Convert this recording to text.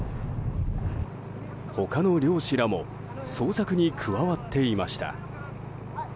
他の漁師らも捜索に加わっていました。